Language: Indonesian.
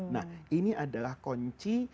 nah ini adalah kunci